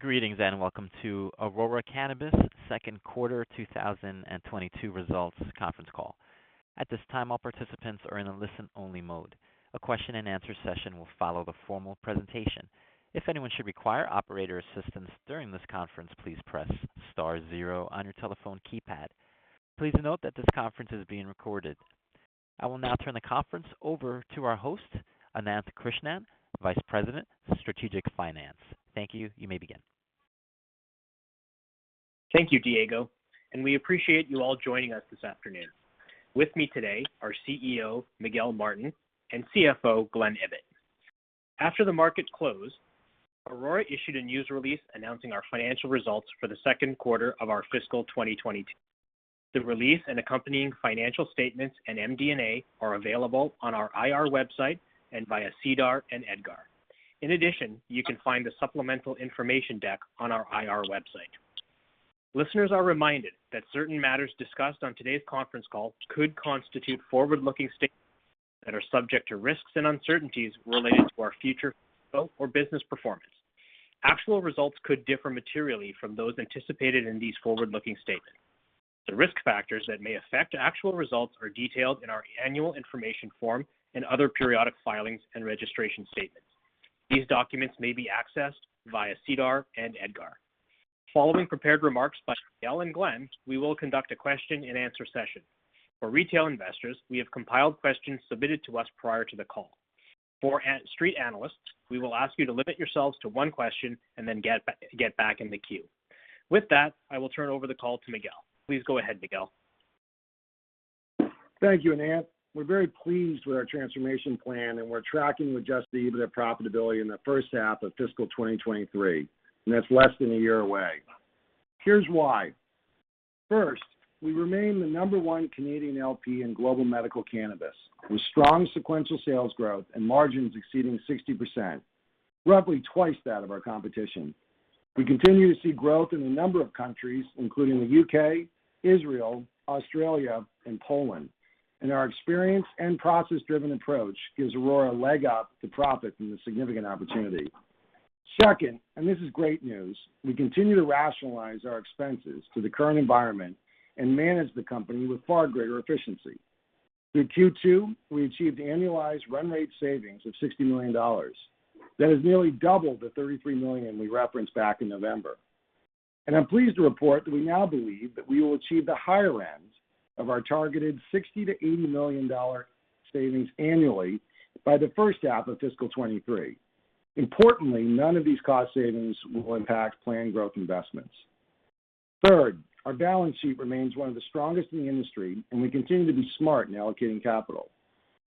Greetings, and welcome to Aurora Cannabis Q2 2022 results Conference Call. At this time, all participants are in a listen-only mode. A question and answer session will follow the formal presentation. If anyone should require operator assistance during this conference, please press star zero on your telephone keypad. Please note that this conference is being recorded. I will now turn the conference over to our host, Ananth Krishnan, Vice President, Strategic Finance. Thank you. You may begin. Thank you, Diego, and we appreciate you all joining us this afternoon. With me today, our CEO, Miguel Martin, and CFO, Glen Ibbott. After the market closed, Aurora issued a news release announcing our financial results for the Q2 2022. The release and accompanying financial statements and MD&A are available on our IR website and via SEDAR and EDGAR. In addition, you can find the supplemental information deck on our IR website. Listeners are reminded that certain matters discussed on today's Conference Call could constitute forward-looking statements that are subject to risks and uncertainties related to our future or business performance. Actual results could differ materially from those anticipated in these forward-looking statements. The risk factors that may affect actual results are detailed in our annual information form and other periodic filings and registration statements. These documents may be accessed via SEDAR and EDGAR. Following prepared remarks by Miguel and Glenn, we will conduct a question-and-answer session. For retail investors, we have compiled questions submitted to us prior to the call. For street analysts, we will ask you to limit yourselves to one question and then get back in the queue. With that, I will turn over the call to Miguel. Please go ahead, Miguel. Thank you, Ananth. We're very pleased with our transformation plan, and we're tracking with adjusted EBITDA profitability in the first half of fiscal 2023, and that's less than a year away. Here's why. First, we remain the number one Canadian LP in global medical cannabis, with strong sequential sales growth and margins exceeding 60%, roughly twice that of our competition. We continue to see growth in a number of countries, including the U.K., Israel, Australia, and Poland, and our experience and process-driven approach gives Aurora a leg up to profit from the significant opportunity. Second, and this is great news, we continue to rationalize our expenses to the current environment and manage the company with far greater efficiency. Through Q2, we achieved annualized run rate savings of 60 million dollars. That is nearly double the 33 million we referenced back in November. I'm pleased to report that we now believe that we will achieve the higher-end of our targeted 60 million-80 million dollar savings annually by the first half of fiscal 2023. Importantly, none of these cost savings will impact planned growth investments. Third, our balance sheet remains one of the strongest in the industry, and we continue to be smart in allocating capital.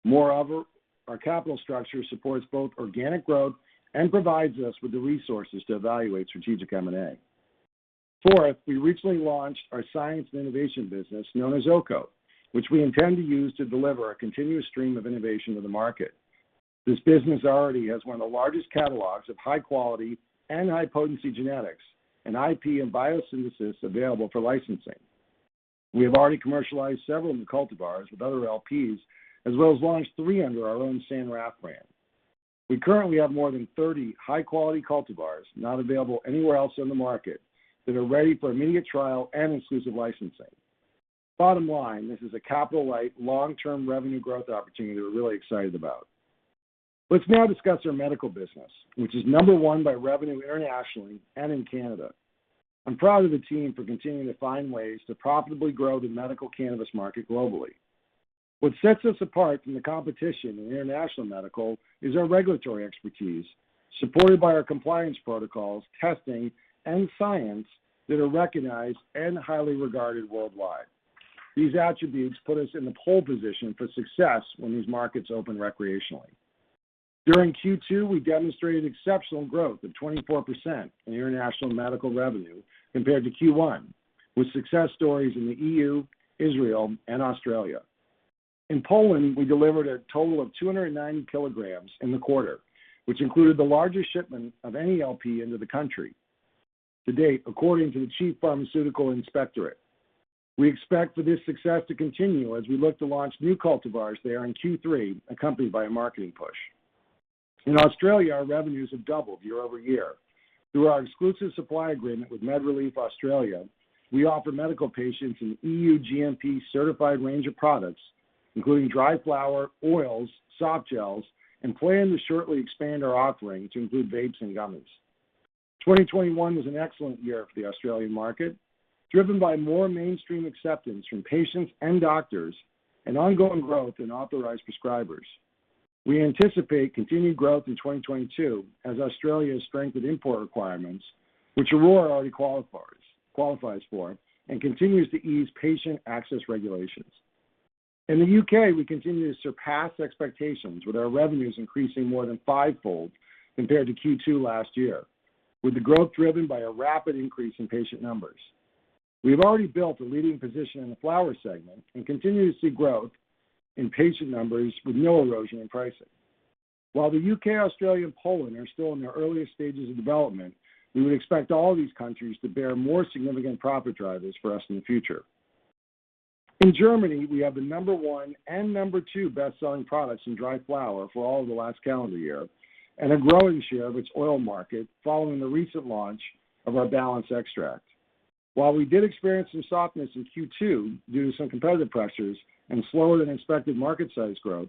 Moreover, our capital structure supports both organic growth and provides us with the resources to evaluate strategic M&A. Fourth, we recently launched our science and innovation business known as Occo, which we intend to use to deliver a continuous stream of innovation to the market. This business already has one of the largest catalogs of high-quality and high-potency genetics and IP and biosynthesis available for licensing. We have already commercialized several of the cultivars with other LPs, as well as launched 3 under our own San Rafael '71 brand. We currently have more than 30 high-quality cultivars not available anywhere else in the market that are ready for immediate trial and exclusive licensing. Botto-line, this is a capital-light, long-term revenue growth opportunity that we're really excited about. Let's now discuss our medical business, which is number one by revenue internationally and in Canada. I'm proud of the team for continuing to find ways to profitably grow the medical cannabis market globally. What sets us apart from the competition in international medical is our regulatory expertise, supported by our compliance protocols, testing, and science that are recognized and highly regarded worldwide. These attributes put us in the pole position for success when these markets open recreationally. During Q2, we demonstrated exceptional growth of 24% in international medical revenue compared to Q1, with success stories in the EU, Israel, and Australia. In Poland, we delivered a total of 290 kilograms in the quarter, which included the largest shipment of any LP into the country to date, according to the Chief Pharmaceutical Inspectorate. We expect for this success to continue as we look to launch new cultivars there in Q3, accompanied by a marketing push. In Australia, our revenues have doubled year-over-year. Through our exclusive supply agreement with MedReleaf Australia, we offer medical patients an EU GMP certified range of products, including dry flower, oils, soft gels, and plan to shortly expand our offering to include vapes and gummies. 2021 was an excellent year for the Australian market, driven by more mainstream acceptance from patients and doctors and ongoing growth in authorized prescribers. We anticipate continued growth in 2022 as Australia has strengthened import requirements, which Aurora already qualifies for, and continues to ease patient access regulations. In the U.K., we continue to surpass expectations with our revenues increasing more than 5-fold compared to Q2 last year, with the growth driven by a rapid increase in patient numbers. We've already built a leading position in the flower segment and continue to see growth in patient numbers with no erosion in pricing. While the U.K., Australia, and Poland are still in their earliest stages of development, we would expect all these countries to bear more significant profit drivers for us in the future. In Germany, we have the number one and number two best-selling products in dry flower for all of the last calendar year, and a growing share of its oil market following the recent launch of our balanced extract. While we did experience some softness in Q2 due to some competitive pressures and slower than expected market size growth,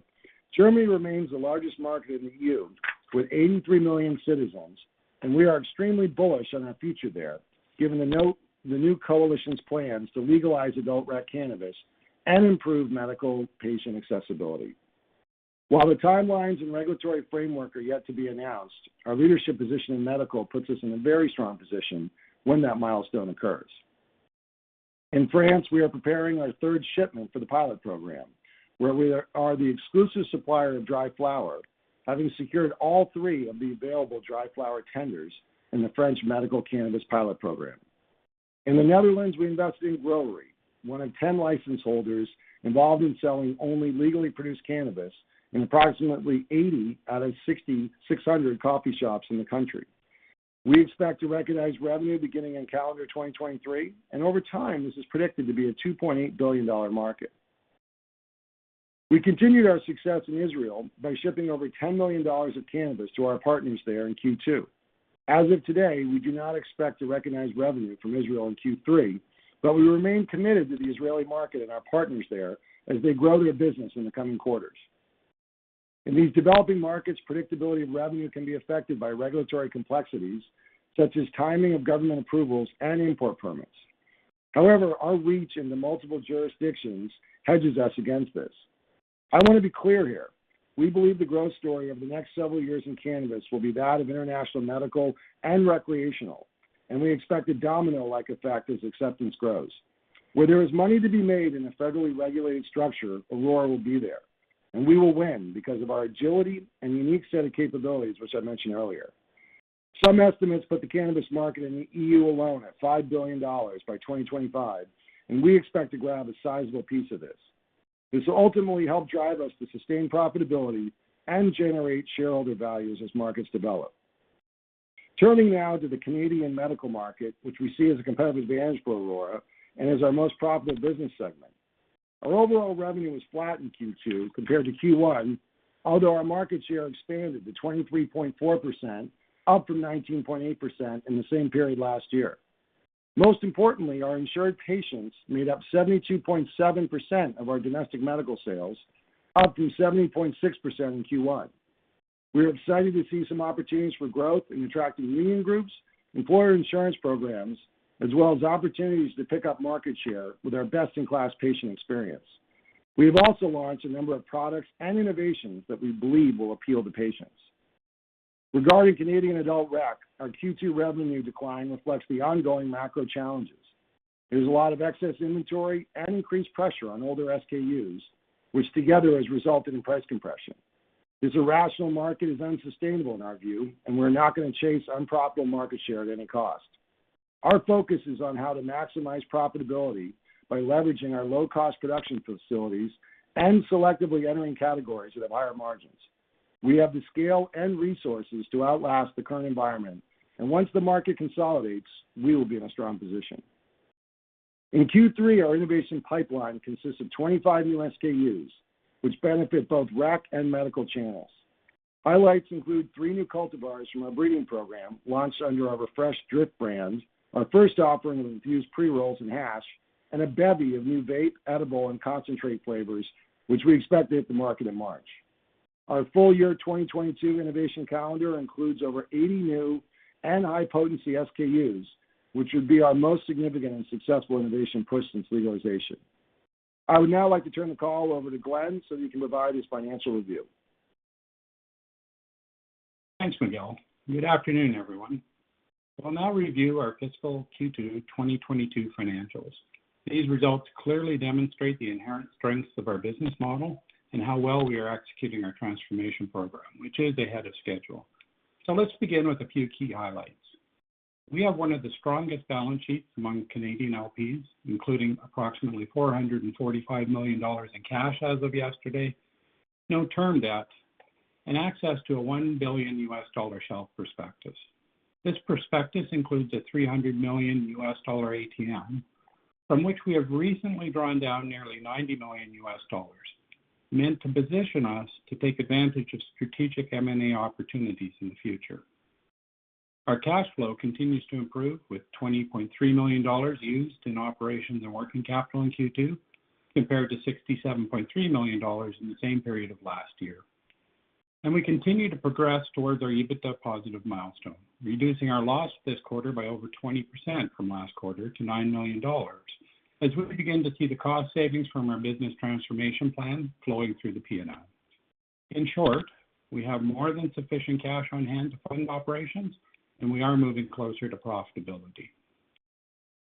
Germany remains the largest market in the EU, with 83 million citizens, and we are extremely bullish on our future there, given the new coalition's plans to legalize adult rec cannabis and improve medical patient accessibility. While the timelines and regulatory framework are yet to be announced, our leadership position in medical puts us in a very strong position when that milestone occurs. In France, we are preparing our third shipment for the pilot program, where we are the exclusive supplier of dry flower, having secured all three of the available dry flower tenders in the French medical cannabis pilot program. In the Netherlands, we invested in Growery, one in 10 license holders involved in selling only legally produced cannabis in approximately 80 out of 6,600 coffee shops in the country. We expect to recognize revenue beginning in calendar 2023, and over time, this is predicted to be a $2.8 billion market. We continued our success in Israel by shipping over $10 million of cannabis to our partners there in Q2. As of today, we do not expect to recognize revenue from Israel in Q3, but we remain committed to the Israeli market and our partners there as they grow their business in the coming quarters. In these developing markets, predictability of revenue can be affected by regulatory complexities, such as timing of government approvals and import permits. However, our reach into multiple jurisdictions hedges us against this. I want to be clear here. We believe the growth story of the next several years in cannabis will be that of international medical and recreational, and we expect a domino-like effect as acceptance grows. Where there is money to be made in a federally regulated structure, Aurora will be there, and we will win because of our agility and unique set of capabilities, which I mentioned earlier. Some estimates put the cannabis market in the EU alone at $5 billion by 2025, and we expect to grab a sizable piece of this. This will ultimately help drive us to sustain profitability and generate shareholder values as markets develop. Turning now to the Canadian medical market, which we see as a competitive advantage for Aurora and is our most profitable business segment. Our overall revenue was flat in Q2 compared to Q1, although our market share expanded to 23.4%, up from 19.8% in the same period last year. Most importantly, our insured patients made up 72.7% of our domestic medical sales, up from 70.6% in Q1. We are excited to see some opportunities for growth in attracting union groups, employer insurance programs, as well as opportunities to pick up market share with our best-in-class patient experience. We have also launched a number of products and innovations that we believe will appeal to patients. Regarding Canadian adult rec, our Q2 revenue decline reflects the ongoing macro challenges. There's a lot of excess inventory and increased pressure on older SKUs, which together has resulted in price compression. This irrational market is unsustainable in our view, and we're not gonna chase unprofitable market share at any cost. Our focus is on how to maximize profitability by leveraging our low-cost production facilities and selectively entering categories that have higher-margins. We have the scale and resources to outlast the current environment, and once the market consolidates, we will be in a strong position. In Q3, our innovation pipeline consists of 25 new SKUs, which benefit both rec and medical channels. Highlights include three new cultivars from our breeding program, launched under our refreshed Drift brand, our first offering of infused pre-rolls and hash, and a bevy of new vape, edible, and concentrate flavors, which we expect to hit the market in March. Our full-year 2022 innovation calendar includes over 80 new and high-potency SKUs, which would be our most significant and successful innovation push since legalization. I would now like to turn the call over to Glenn so he can provide his financial review. Thanks, Miguel. Good afternoon, everyone. I will now review our fiscal Q2 2022 financials. These results clearly demonstrate the inherent strengths of our business model and how well we are executing our transformation program, which is ahead of schedule. Let's begin with a few key highlights. We have one of the strongest balance sheets among Canadian LPs, including approximately 445 million dollars in cash as of yesterday, no term debt, and access to a $1 billion US dollar shelf prospectus. This prospectus includes a $300 million US dollar ATM, from which we have recently drawn down nearly $90 million US dollars, meant to position us to take advantage of strategic M&A opportunities in the future. Our cash flow continues to improve, with 20.3 million dollars used in operations and working capital in Q2, compared to 67.3 million dollars in the same period of last year. We continue to progress towards our EBITDA positive milestone, reducing our loss this quarter by over 20% from last quarter to CAD $9 million as we begin to see the cost savings from our business transformation plan flowing through the P&L. In short, we have more than sufficient cash on hand to fund operations, and we are moving closer to profitability.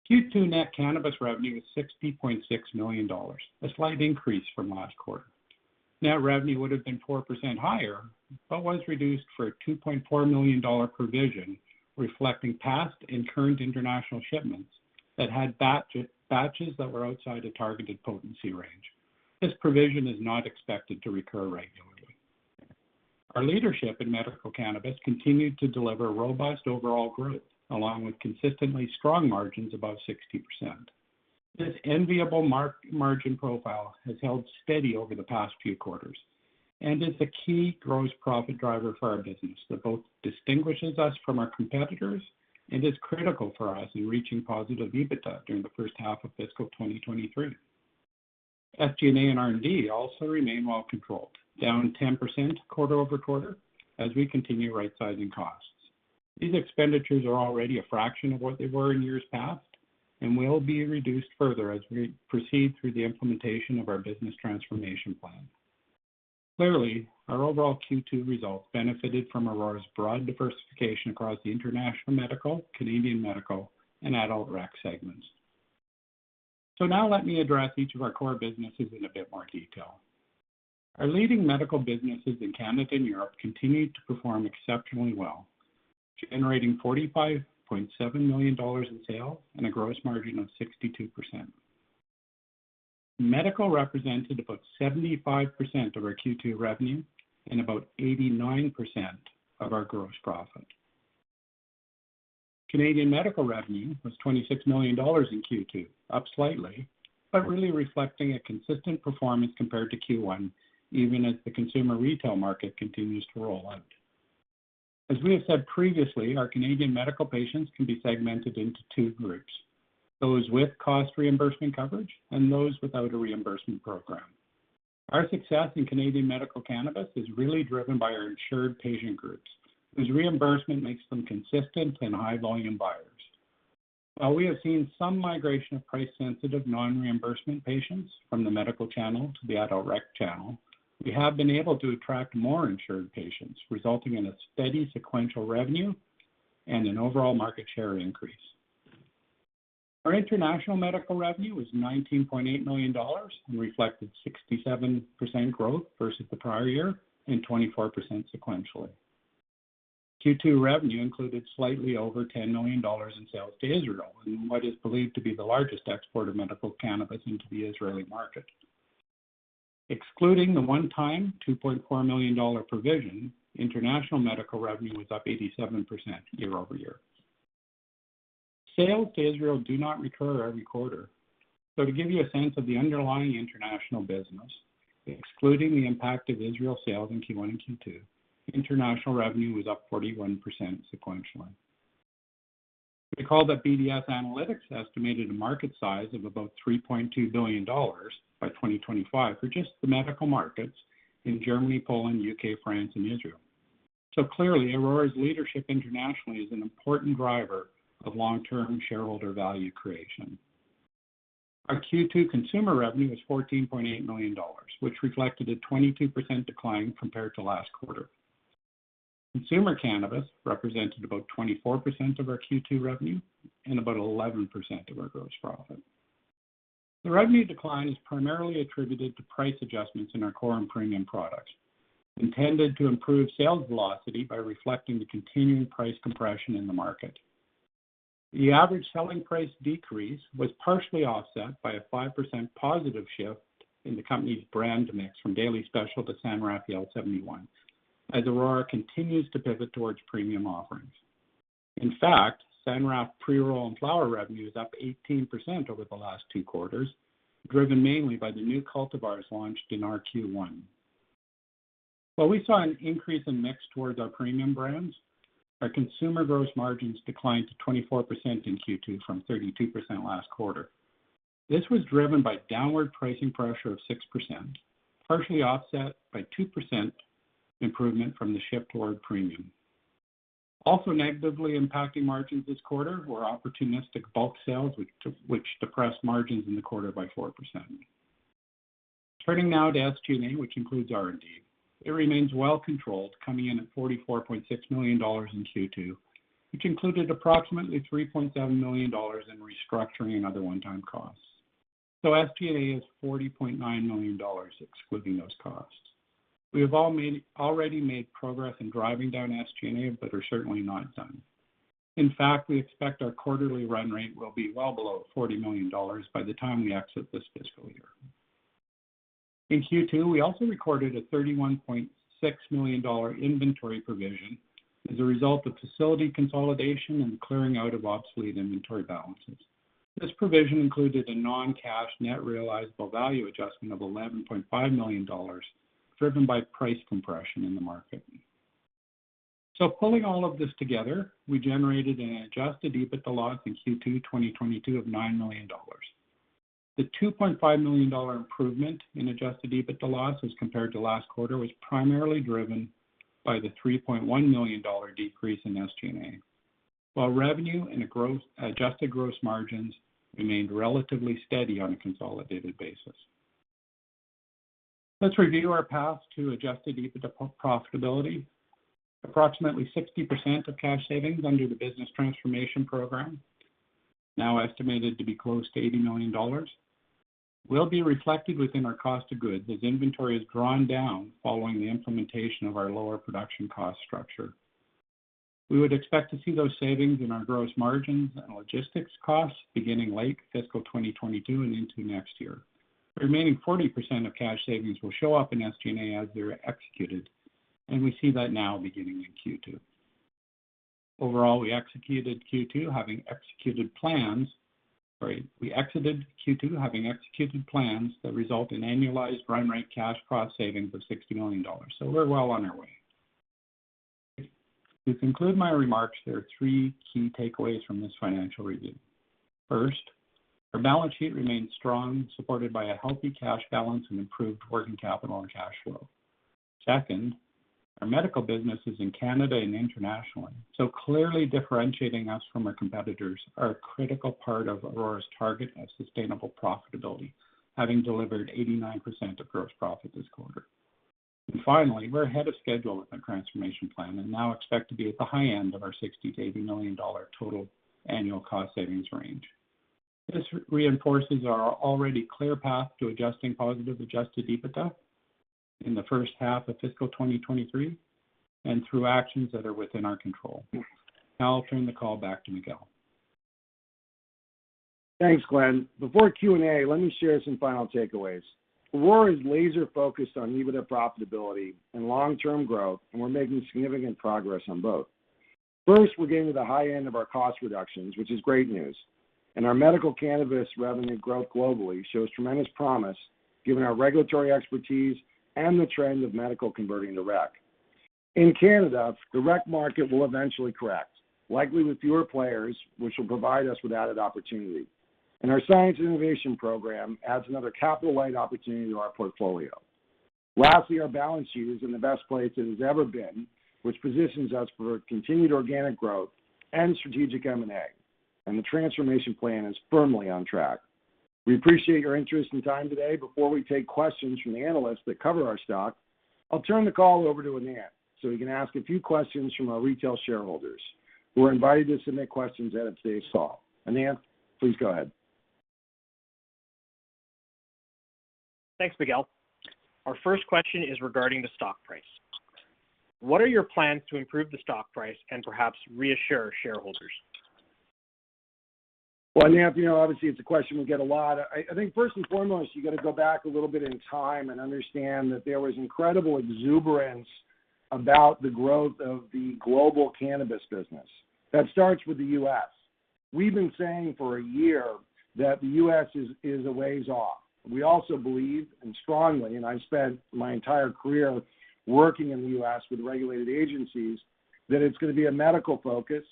Q2 net cannabis revenue was CAD $60.6 million, a slight increase from last quarter. Net revenue would have been 4% higher, but was reduced for a CAD $2.4 million provision reflecting past and current international shipments that had batches that were outside a targeted potency range. This provision is not expected to recur regularly. Our leadership in medical cannabis continued to deliver robust overall growth, along with consistently strong margins above 60%. This enviable margin profile has held steady over the past few quarters and is the key gross profit driver for our business that both distinguishes us from our competitors and is critical for us in reaching positive EBITDA during the first half of fiscal 2023. SG&A and R&D also remain well-controlled, down 10% quarter-over-quarter as we continue rightsizing costs. These expenditures are already a fraction of what they were in years past and will be reduced further as we proceed through the implementation of our business transformation plan. Clearly, our overall Q2 results benefited from Aurora's broad diversification across the international medical, Canadian medical and adult rec segments. Now let me address each of our core businesses in a bit more detail. Our leading medical businesses in Canada and Europe continued to perform exceptionally well, generating 45.7 million dollars in sales and a gross margin of 62%. Medical represented about 75% of our Q2 revenue and about 89% of our gross profit. Canadian medical revenue was 26 million dollars in Q2, up slightly, but really reflecting a consistent performance compared to Q1, even as the consumer retail market continues to roll out. As we have said previously, our Canadian medical patients can be segmented into two groups, those with cost reimbursement coverage and those without a reimbursement program. Our success in Canadian medical cannabis is really driven by our insured patient groups, whose reimbursement makes them consistent and high-volume buyers. While we have seen some migration of price-sensitive non-reimbursement patients from the medical channel to the adult rec channel, we have been able to attract more insured patients, resulting in a steady sequential revenue and an overall market share increase. Our international medical revenue was 19.8 million dollars and reflected 67% growth versus the prior year and 24% sequentially. Q2 revenue included slightly over 10 million dollars in sales to Israel in what is believed to be the largest export of medical cannabis into the Israeli market. Excluding the one-time 2.4 million dollar provision, international medical revenue was up 87% year-over-year. Sales to Israel do not recur every quarter. To give you a sense of the underlying international business, excluding the impact of Israel sales in Q1 and Q2, international revenue was up 41% sequentially. Recall that BDS Analytics estimated a market size of about $3.2 billion by 2025 for just the medical markets in Germany, Poland, U.K., France and Israel. Clearly, Aurora's leadership internationally is an important driver of long-term shareholder value creation. Our Q2 consumer revenue was 14.8 million dollars, which reflected a 22% decline compared to last quarter. Consumer cannabis represented about 24% of our Q2 revenue and about 11% of our gross profit. The revenue decline is primarily attributed to price adjustments in our core and premium products, intended to improve sales velocity by reflecting the continuing price compression in the market. The average selling price decrease was partially offset by a 5% positive shift in the company's brand mix from Daily Special to San Rafael '71 as Aurora continues to pivot towards premium offerings. In fact, San Rafael '71 pre-roll and flower revenue is up 18% over the last 2 quarters, driven mainly by the new cultivars launched in our Q1. While we saw an increase in mix towards our premium brands, our consumer gross margins declined to 24% in Q2 from 32% last quarter. This was driven by downward pricing pressure of 6%, partially offset by 2% improvement from the shift toward premium. Also negatively impacting margins this quarter were opportunistic bulk sales, which depressed margins in the quarter by 4%. Turning now to SG&A, which includes R&D. It remains well-controlled, coming in at 44.6 million dollars in Q2, which included approximately 3.7 million dollars in restructuring and other one-time costs. SG&A is 40.9 million dollars excluding those costs. We already made progress in driving down SG&A, but are certainly not done. In fact, we expect our quarterly run rate will be well below 40 million dollars by the time we exit this fiscal year. In Q2, we also recorded a 31.6 million dollar inventory provision as a result of facility consolidation and clearing out of obsolete inventory balances. This provision included a non-cash net realizable value adjustment of 11.5 million dollars, driven by price compression in the market. Pulling all of this together, we generated an adjusted EBITDA loss in Q2 2022 of 9 million dollars. The 2.5 million dollar improvement in adjusted EBITDA loss as compared to last quarter was primarily driven by the 3.1 million dollar decrease in SG&A. While revenue and adjusted gross margins remained relatively steady on a consolidated basis. Let's review our path to adjusted EBITDA profitability. Approximately 60% of cash savings under the business transformation program, now estimated to be close to 80 million dollars, will be reflected within our cost of goods as inventory is drawn down following the implementation of our lower production cost structure. We would expect to see those savings in our gross margins and logistics costs beginning late fiscal 2022 and into next year. The remaining 40% of cash savings will show up in SG&A as they are executed, and we see that now beginning in Q2. We exited Q2 having executed plans that result in annualized run rate cash cost savings of 60 million dollars. We're well on our way. To conclude my remarks, there are three key takeaways from this financial review. First, our balance sheet remains strong, supported by a healthy cash balance and improved working capital and cash flow. Second, our medical businesses in Canada and internationally, so clearly differentiating us from our competitors, are a critical part of Aurora's target of sustainable profitability, having delivered 89% of gross profit this quarter. Finally, we're ahead of schedule with our transformation plan and now expect to be at the high-end of our 60 million-80 million dollar total annual cost savings range. This reinforces our already clear path to adjusting positive adjusted EBITDA in the first half of fiscal 2023 and through actions that are within our control. Now I'll turn the call back to Miguel. Thanks, Glenn. Before Q&A, let me share some final takeaways. Aurora is laser-focused on EBITDA profitability and long-term growth, and we're making significant progress on both. First, we're getting to the high-end of our cost reductions, which is great news. Our medical cannabis revenue growth globally shows tremendous promise given our regulatory expertise and the trend of medical converting to rec. In Canada, the rec market will eventually correct, likely with fewer players, which will provide us with added opportunity. Our science and innovation program adds another capital-light opportunity to our portfolio. Lastly, our balance sheet is in the best place it has ever been, which positions us for continued organic growth and strategic M&A, and the transformation plan is firmly on track. We appreciate your interest and time today. Before we take questions from the analysts that cover our stock, I'll turn the call over to Ananth so we can ask a few questions from our retail shareholders who are invited to submit questions ahead of today's call. Ananth, please go ahead. Thanks, Miguel. Our first question is regarding the stock price. What are your plans to improve the stock price and perhaps reassure shareholders? Well, Ananth, you know, obviously it's a question we get a lot. I think first and foremost, you got to go back a little bit in time and understand that there was incredible exuberance about the growth of the global cannabis business. That starts with the US. We've been saying for a year that the US. is a ways off. We also believe, and strongly, and I've spent my entire career working in the US. with regulated agencies, that it's gonna be a medical focus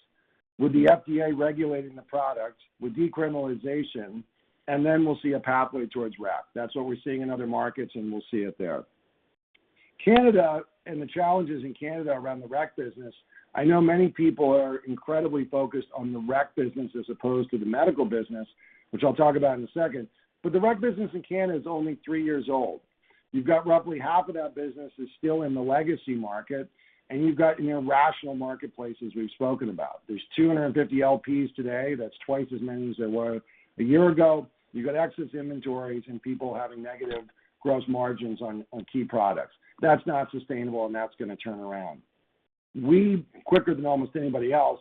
with the FDA regulating the product, with decriminalization, and then we'll see a pathway towards rec. That's what we're seeing in other markets, and we'll see it there. Canada and the challenges in Canada around the rec business. I know many people are incredibly focused on the rec business as opposed to the medical business, which I'll talk about in a second. The rec business in Canada is only three years old. You've got roughly half of that business still in the legacy market, and you've got, you know, rational marketplaces we've spoken about. There are 250 LPs today. That's twice as many as there were a year ago. You've got excess inventories and people having negative gross margins on key products. That's not sustainable, and that's gonna turn around. We, quicker than almost anybody else,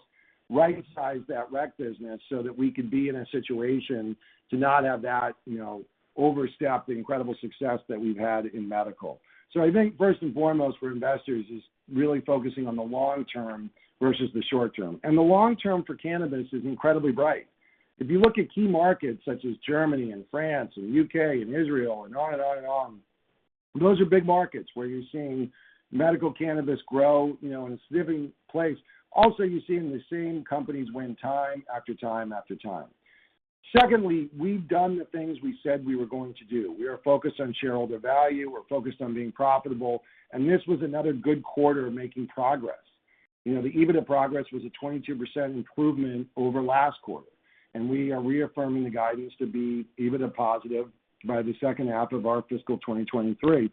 right-sized that rec business so that we could be in a situation to not have that, you know, overshadow the incredible success that we've had in medical. I think first and foremost for investors is really focusing on the long-term versus the short-term. The long-term for cannabis is incredibly bright. If you look at key markets such as Germany and France and U.K. and Israel and on and on and on, those are big markets where you're seeing medical cannabis grow, you know, in a significant place. Also, you're seeing the same companies win time after time after time. Secondly, we've done the things we said we were going to do. We are focused on shareholder value. We're focused on being profitable, and this was another good quarter of making progress. You know, the EBITDA progress was a 22% improvement over last quarter, and we are reaffirming the guidance to be EBITDA positive by the second half of our fiscal 2023.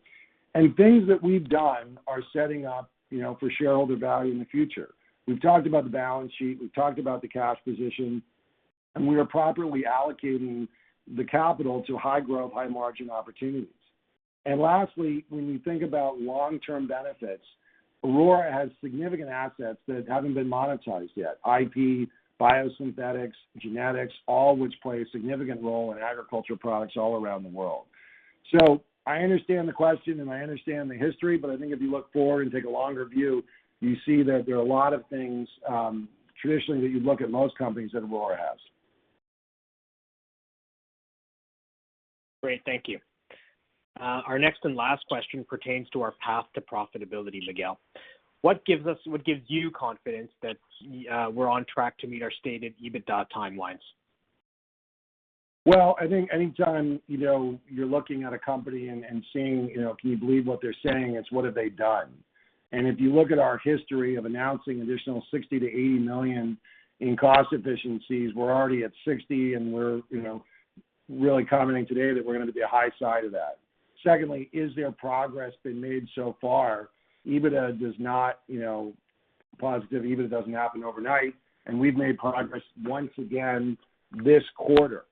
Things that we've done are setting up, you know, for shareholder value in the future. We've talked about the balance sheet, we've talked about the cash position, and we are properly allocating the capital to high-growth, high-margin opportunities. Lastly, when you think about long-term benefits, Aurora has significant assets that haven't been monetized yet, IP, biosynthetics, genetics, all which play a significant role in agriculture products all around the world. I understand the question, and I understand the history, but I think if you look forward and take a longer view, you see that there are a lot of things, traditionally that you'd look at most companies that Aurora has. Great. Thank you. Our next and last question pertains to our path to profitability, Miguel. What gives you confidence that we're on track to meet our stated EBITDA timelines? Well, I think anytime, you know, you're looking at a company and seeing, you know, can you believe what they're saying, it's what have they done. If you look at our history of announcing additional 60 million-80 million in cost efficiencies, we're already at 60 million and we're, you know, really commenting today that we're gonna be a high-side of that. Second, is there progress been made so far? EBITDA does not, you know, positive EBITDA doesn't happen overnight, and we've made progress once again this quarter.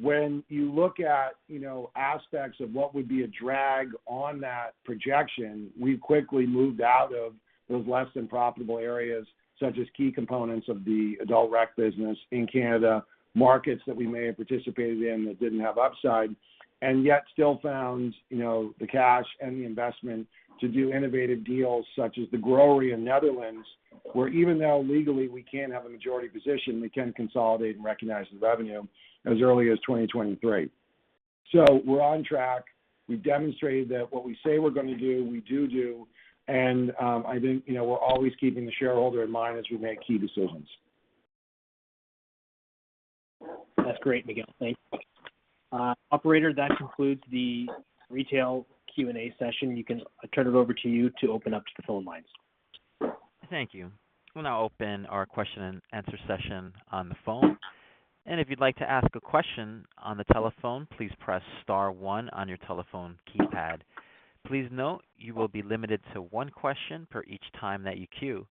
When you look at, you know, aspects of what would be a drag on that projection, we've quickly moved out of those less than profitable areas, such as key components of the adult rec business in Canada, markets that we may have participated in that didn't have upside, and yet still found, you know, the cash and the investment to do innovative deals such as the grower in Netherlands, where even though legally we can't have a majority position, we can consolidate and recognize the revenue as early as 2023. We're on track. We've demonstrated that what we say we're gonna do, we do. I think, you know, we're always keeping the shareholder in mind as we make key decisions. That's great, Miguel. Thanks. Operator, that concludes the retail Q&A session. I turn it over to you to open up to the phone lines. Thank you. We'll now open our question and answer session on the phone. If you'd like to ask a question on the telephone, please press star one on your telephone keypad. Please note, you will be limited to one question per each time that you queue.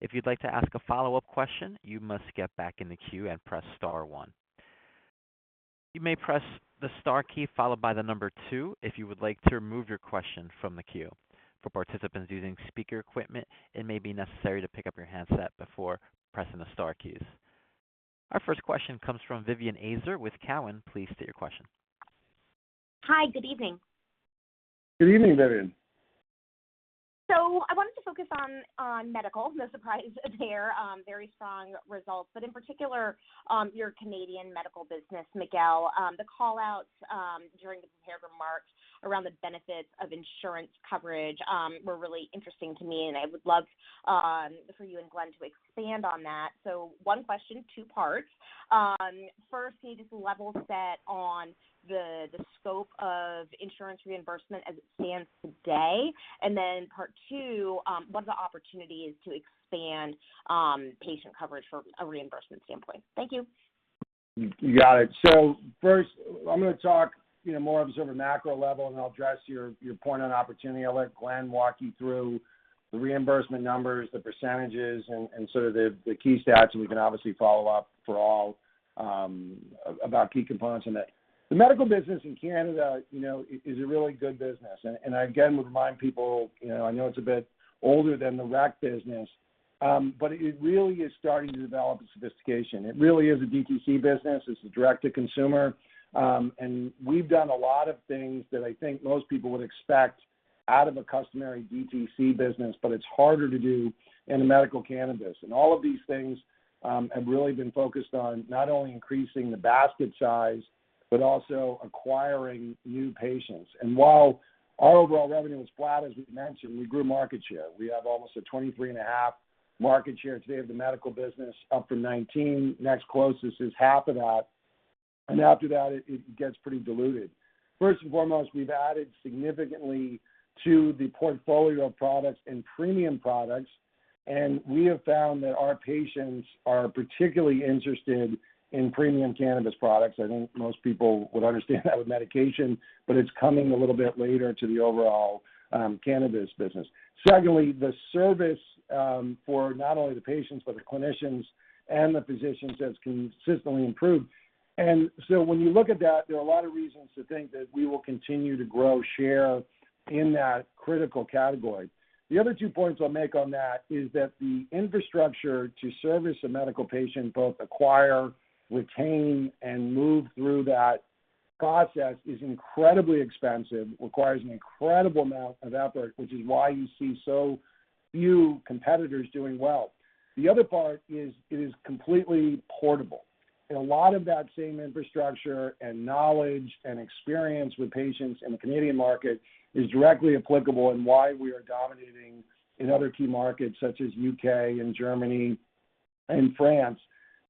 If you'd like to ask a follow-up question, you must get back in the queue and press star one. You may press the star key followed by the number two if you would like to remove your question from the queue. For participants using speaker equipment, it may be necessary to pick up your handset before pressing the star keys. Our first question comes from Vivien Azer with Cowen. Please state your question. Hi, good evening. Good evening, Vivien. I wanted to focus on medical, no surprise there, very strong results, but in particular, your Canadian medical business, Miguel. The call-outs during the prepared remarks around the benefits of insurance coverage were really interesting to me, and I would love for you and Glenn to expand on that. One question, two parts. First, can you just level set on the scope of insurance reimbursement as it stands today? Part two, what are the opportunities to expand patient coverage from a reimbursement standpoint? Thank you. You got it. First, I'm gonna talk, you know, more of sort of a macro level, and I'll address your point on opportunity. I'll let Glenn walk you through the reimbursement numbers, the percentages and sort of the key stats, and we can obviously follow-up for all about key components in that. The medical business in Canada, you know, is a really good business. I again would remind people, you know, I know it's a bit older than the rec business, but it really is starting to develop a sophistication. It really is a DTC business. It's a direct to consumer. We've done a lot of things that I think most people would expect out of a customary DTC business, but it's harder to do in a medical cannabis. All of these things have really been focused on not only increasing the basket size, but also acquiring new patients. While our overall revenue was flat, as we mentioned, we grew market share. We have almost a 23.5% market share today of the medical business, up from 19%. Next closest is half of that. After that, it gets pretty diluted. First and foremost, we've added significantly to the portfolio of products and premium products, and we have found that our patients are particularly interested in premium cannabis products. I think most people would understand that with medication, but it's coming a little bit later to the overall cannabis business. Secondly, the service for not only the patients, but the clinicians and the physicians has consistently improved. When you look at that, there are a lot of reasons to think that we will continue to grow share in that critical category. The other two points I'll make on that is that the infrastructure to service a medical patient, both acquire, retain, and move through that process is incredibly expensive, requires an incredible amount of effort, which is why you see so few competitors doing well. The other part is it is completely portable. A lot of that same infrastructure and knowledge and experience with patients in the Canadian market is directly applicable in why we are dominating in other key markets such as U.K. and Germany and France.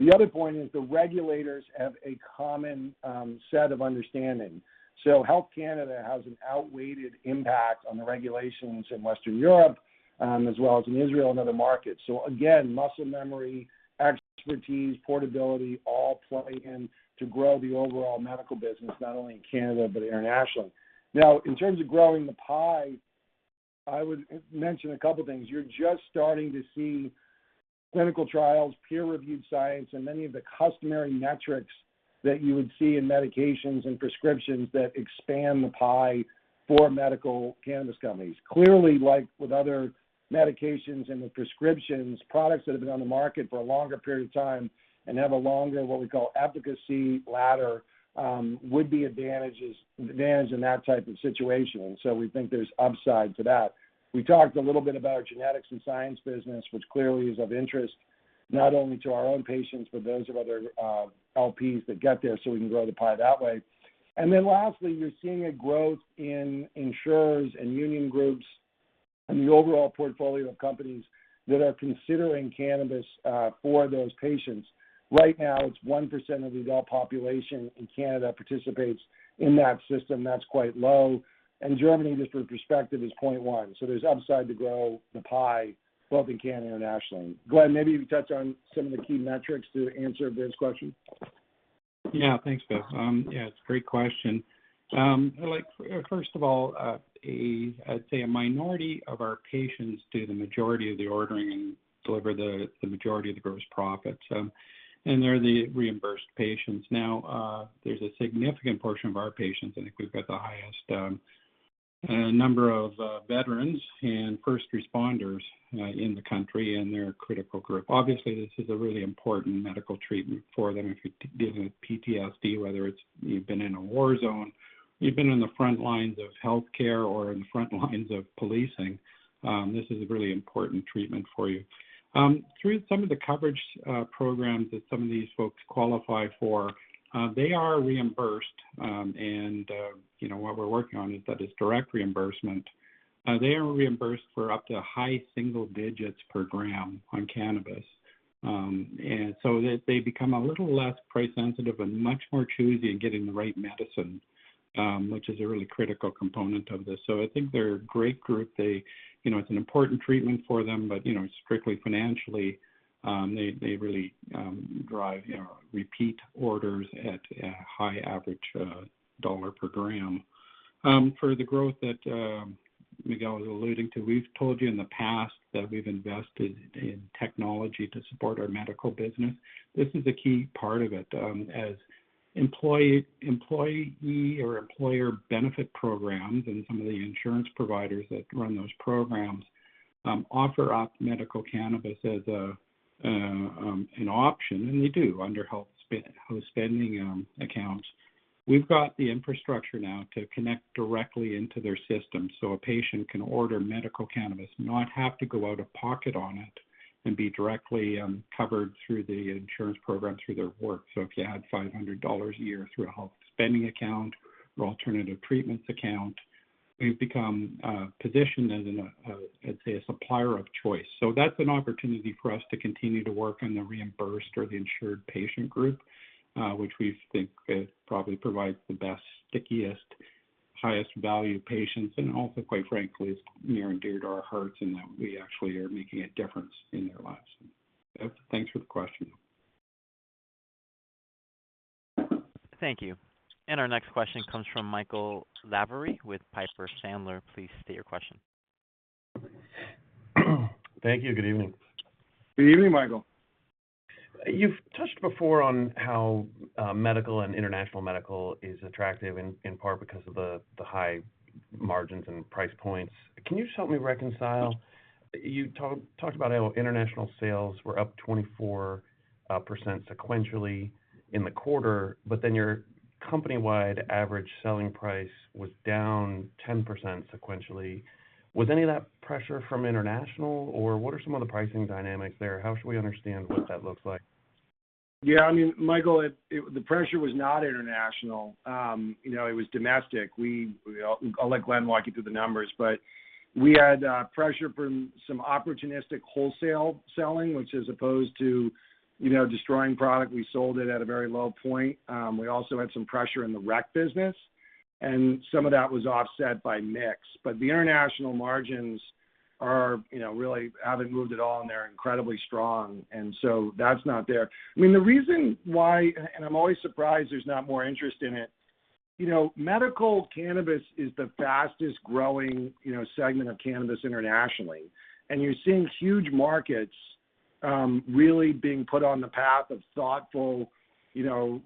The other point is the regulators have a common set of understanding. Health Canada has an outsized impact on the regulations in Western Europe, as well as in Israel and other markets. Again, muscle memory, expertise, portability, all play in to grow the overall medical business, not only in Canada, but internationally. Now, in terms of growing the pie, I would mention a couple things. You're just starting to see clinical trials, peer-reviewed science, and many of the customary metrics that you would see in medications and prescriptions that expand the pie for medical cannabis companies. Clearly, like with other medications and with prescriptions, products that have been on the market for a longer period of time and have a longer, what we call efficacy ladder, would be advantage in that type of situation. We think there's upside to that. We talked a little bit about our genetics and science business, which clearly is of interest not only to our own patients, but those of other LPs that get there, so we can grow the pie that way. Then lastly, you're seeing a growth in insurers and union groups and the overall portfolio of companies that are considering cannabis for those patients. Right now, it's 1% of the adult population in Canada participates in that system. That's quite low. In Germany, just for perspective, is 0.1%. There's upside to grow the pie, both in Canada and internationally. Glenn, maybe you can touch on some of the key metrics to answer Viv's question. Yeah. Thanks, Miguel. It's a great question. First of all, I'd say a minority of our patients do the majority of the ordering and deliver the majority of the gross profits. They're the reimbursed patients. Now, there's a significant portion of our patients. I think we've got the highest number of veterans and first responders in the country, and they're a critical group. Obviously, this is a really important medical treatment for them dealing with PTSD, whether it's you've been in a war zone, you've been on the front lines of healthcare or on the front lines of policing. This is a really important treatment for you. Through some of the coverage programs that some of these folks qualify for, they are reimbursed, and you know, what we're working on is that it's direct reimbursement. They are reimbursed for up to high single-digits CAD per gram on cannabis. They become a little less price sensitive and much more choosy in getting the right medicine, which is a really critical component of this. I think they're a great group. They, you know, it's an important treatment for them. You know, strictly financially, they really drive you know, repeat orders at a high average CAD per gram. For the growth that Miguel was alluding to, we've told you in the past that we've invested in technology to support our medical business. This is a key part of it. As employee or employer benefit programs and some of the insurance providers that run those programs offer up medical cannabis as an option, and they do under health spending accounts. We've got the infrastructure now to connect directly into their system so a patient can order medical cannabis, not have to go out of pocket on it and be directly covered through the insurance program through their work. If you had 500 dollars a year through a health spending account or alternative treatments account, we've become positioned as an I'd say, a supplier of choice. That's an opportunity for us to continue to work in the reimbursed or the insured patient group, which we think, probably provides the best, stickiest, highest value patients and also, quite frankly, is near and dear to our hearts in that we actually are making a difference in their lives. Thanks for the question. Thank you. Our next question comes from Michael Lavery with Piper Sandler. Please state your question. Thank you. Good evening. Good evening, Michael. You've touched before on how medical and international medical is attractive in part because of the high-margins and price points. Can you just help me reconcile? You talked about how international sales were up 24% sequentially in the quarter, but then your company-wide average selling price was down 10% sequentially. Was any of that pressure from international, or what are some of the pricing dynamics there? How should we understand what that looks like? Yeah, I mean, Michael, the pressure was not international. You know, it was domestic. I'll let Glenn walk you through the numbers, but we had pressure from some opportunistic wholesale selling, which, as opposed to, you know, destroying product, we sold it at a very low point. We also had some pressure in the rec business, and some of that was offset by mix. But the international margins are, you know, really haven't moved at all, and they're incredibly strong. That's not there. I mean, the reason why, and I'm always surprised there's not more interest in it, you know, medical cannabis is the fastest-growing, you know, segment of cannabis internationally. You're seeing huge markets really being put on the path of thoughtful, you know,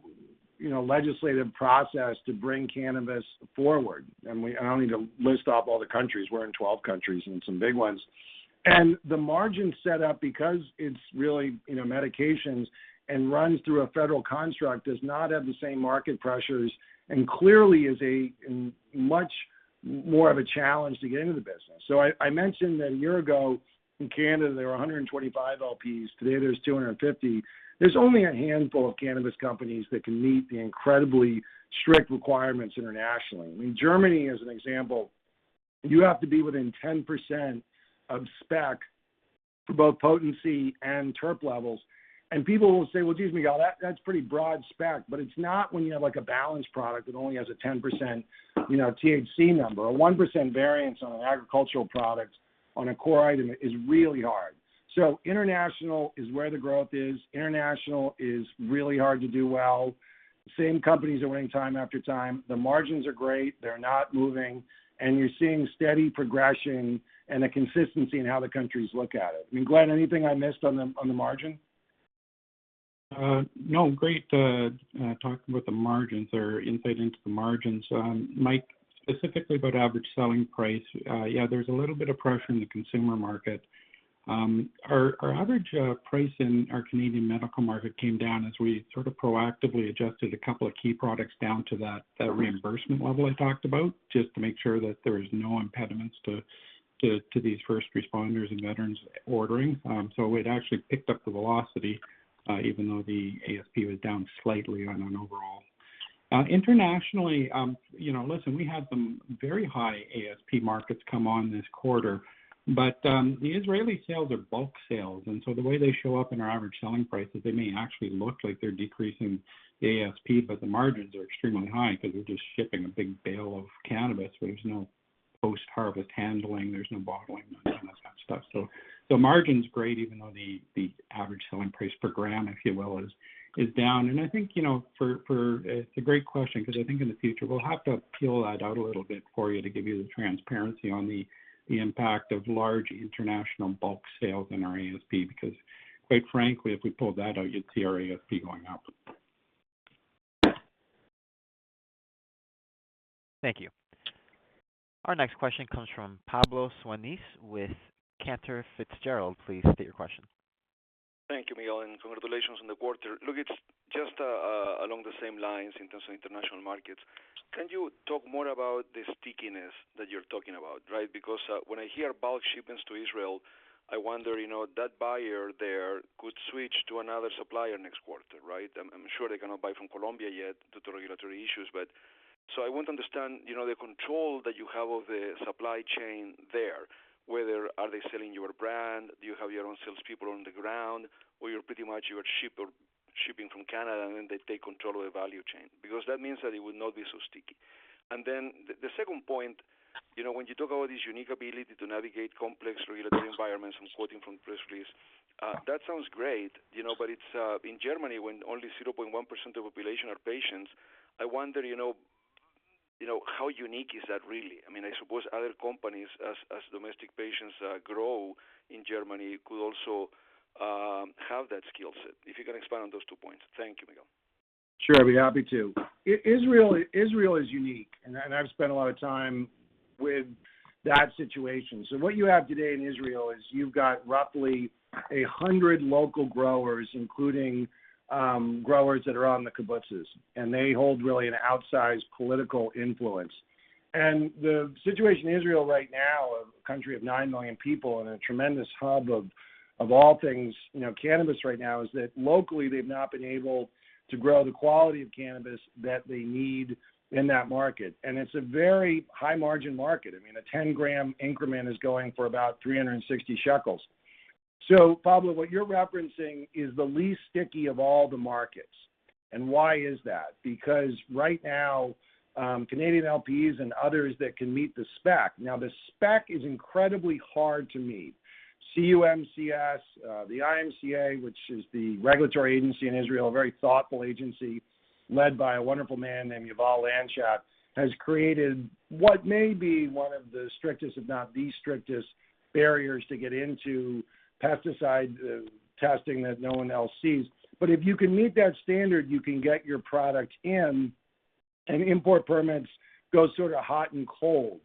legislative process to bring cannabis forward. And we... I don't need to list off all the countries. We're in 12 countries and some big ones. The margin set up because it's really, you know, medications and runs through a federal construct, does not have the same market pressures and clearly is a much more of a challenge to get into the business. I mentioned that a year ago in Canada, there were 125 LPs. Today, there's 250. There's only a handful of cannabis companies that can meet the incredibly strict requirements internationally. I mean, Germany, as an example, you have to be within 10% of spec for both potency and terp levels. People will say, "Well, geez, Miguel, that's pretty broad spec." It's not when you have, like, a balanced product that only has a 10%, you know, THC number. A 1% variance on an agricultural product on a core item is really hard. International is where the growth is. International is really hard to do well. Same companies are winning time after time. The margins are great, they're not moving, and you're seeing steady progression and a consistency in how the countries look at it. I mean, Glenn, anything I missed on the margin? No. Great, talking about the margins or insight into the margins. Mike, specifically about average selling price, yeah, there's a little bit of pressure in the consumer market. Our average price in our Canadian medical market came down as we sort of proactively adjusted a couple of key products down to that reimbursement level I talked about, just to make sure that there is no impediments to these first responders and veterans ordering. It actually picked up the velocity, even though the ASP was down slightly on an overall. Internationally, you know, listen, we had some very high ASP markets come on this quarter, but the Israeli sales are bulk sales, and so the way they show up in our average selling prices, they may actually look like they're decreasing the ASP, but the margins are extremely high because we're just shipping a big bale of cannabis, where there's no post-harvest handling, there's no bottling, none of that kind of stuff. So the margin's great even though the average selling price per gram, if you will, is down. I think, you know, for... It's a great question because I think in the future, we'll have to peel that out a little bit for you to give you the transparency on the impact of large international bulk sales in our ASP, because quite frankly, if we pulled that out, you'd see our ASP going up. Thank you. Our next question comes from Pablo Zuanic with Cantor Fitzgerald. Please state your question. Thank you, Miguel, and congratulations on the quarter. Look, it's just along the same lines in terms of international markets. Can you talk more about the stickiness that you're talking about, right? Because when I hear bulk shipments to Israel, I wonder, you know, that buyer there could switch to another supplier next quarter, right? I'm sure they cannot buy from Colombia yet due to regulatory issues, so I want to understand, you know, the control that you have of the supply chain there, whether are they selling your brand? Do you have your own salespeople on the ground? Or you're pretty much shipping from Canada, and then they take control of the value chain. Because that means that it would not be so sticky. The second point, you know, when you talk about this unique ability to navigate complex regulatory environments, I'm quoting from press release, that sounds great, you know, but it's in Germany, when only 0.1% of the population are patients, I wonder, you know, how unique is that really? I mean, I suppose other companies, as domestic patients grow in Germany could also have that skill set. If you can expand on those two points. Thank you, Miguel. Sure. I'd be happy to. Israel is unique, and I've spent a lot of time with that situation. What you have today in Israel is you've got roughly 100 local growers, including growers that are on the kibbutzim, and they hold really an outsized political influence. The situation in Israel right now, a country of 9 million people and a tremendous hub of all things, you know, cannabis right now, is that locally, they've not been able to grow the quality of cannabis that they need in that market, and it's a very high-margin market. I mean, a 10-gram increment is going for about 360 shekels. Pablo, what you're referencing is the least sticky of all the markets. Why is that? Because right now, Canadian LPs and others that can meet the spec. Now, the spec is incredibly hard to meet. CUMCS, the IMCA, which is the regulatory agency in Israel, a very thoughtful agency led by a wonderful man named Yuval Landschaft, has created what may be one of the strictest, if not the strictest, barriers to get into pesticide testing that no one else sees. If you can meet that standard, you can get your product in, and import permits go sort of hot and cold.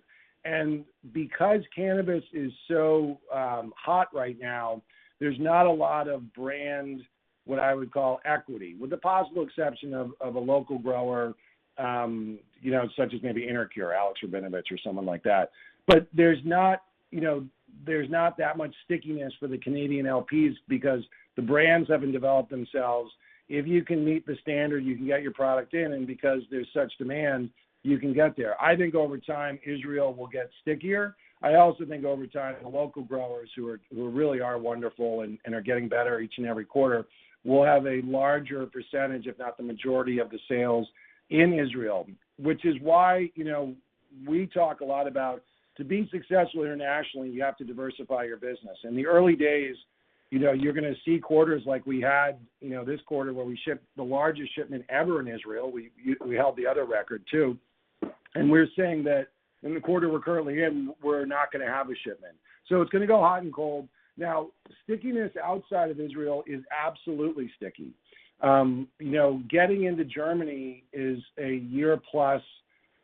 Because cannabis is so hot right now, there's not a lot of brand, what I would call equity, with the possible exception of a local grower, you know, such as maybe InterCure, Alexander Rabinovich or someone like that. There's not, you know, there's not that much stickiness for the Canadian LPs because the brands haven't developed themselves. If you can meet the standard, you can get your product in, and because there's such demand, you can get there. I think over time, Israel will get stickier. I also think over time, the local growers who really are wonderful and are getting better each and every quarter will have a larger percentage, if not the majority of the sales in Israel. Which is why, you know, we talk a lot about to be successful internationally, you have to diversify your business. In the early days, you know, you're gonna see quarters like we had, you know, this quarter where we shipped the largest shipment ever in Israel. We held the other record too. We're saying that in the quarter we're currently in, we're not gonna have a shipment. It's gonna go hot and cold. Now, stickiness outside of Israel is absolutely sticky. You know, getting into Germany is a year-plus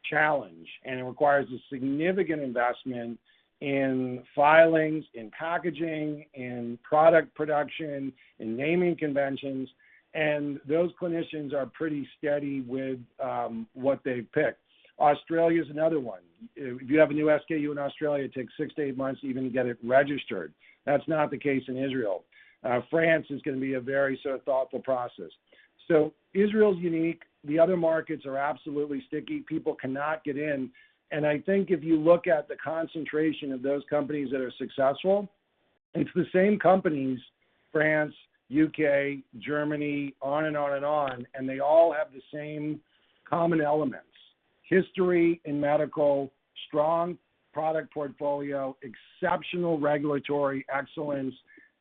challenge, and it requires a significant investment in filings, in packaging, in product production, in naming conventions, and those clinicians are pretty steady with what they've picked. Australia's another one. If you have a new SKU in Australia, it takes 6-8 months even to get it registered. That's not the case in Israel. France is gonna be a very sort of thoughtful process. Israel is unique. The other markets are absolutely sticky. People cannot get in. I think if you look at the concentration of those companies that are successful, it's the same companies, France, U.K., Germany, on and on and on, and they all have the same common elements, history in medical, strong product portfolio, exceptional regulatory excellence,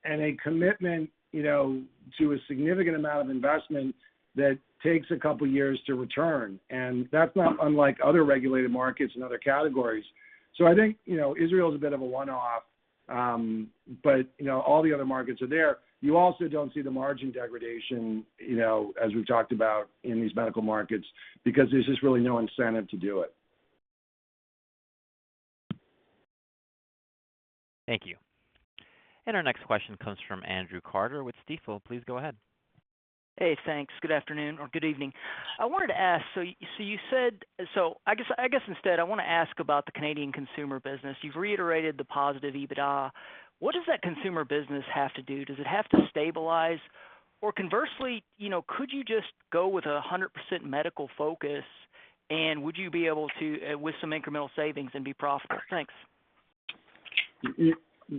and a commitment, you know, to a significant amount of investment that takes a couple of years to return. That's not unlike other regulated markets and other categories. I think, you know, Israel is a bit of a one-off, but, you know, all the other markets are there. You also don't see the margin degradation, you know, as we've talked about in these medical markets, because there's just really no incentive to do it. Thank you. Our next question comes from Andrew Carter with Stifel. Please go ahead. Hey, thanks. Good afternoon or good evening. I guess instead I want to ask about the Canadian consumer business. You've reiterated the positive EBITDA. What does that consumer business have to do? Does it have to stabilize? Or conversely, you know, could you just go with a 100% medical focus and would you be able to, with some incremental savings and be profitable? Thanks.